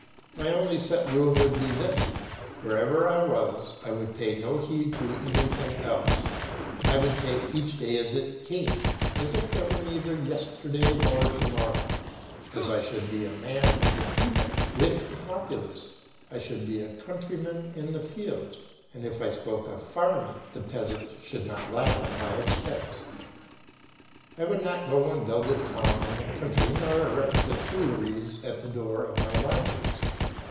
My only set rule would be this: wherever I was I would pay no heed to anything else. I would take each day as it came, as if there were neither yesterday nor to morrow. As I should be a man of the people, with the populace, I should be a countryman in the fields; and if I spoke of farming, the peasant should not laugh at my expense. I would not go and build a town in the country nor erect the Tuileries at the door of my lodgings.